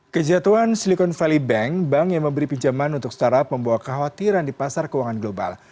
kejatuhan silicon valley bank bank yang memberi pinjaman untuk startup membawa kekhawatiran di pasar keuangan global